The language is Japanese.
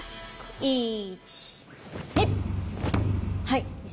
はい。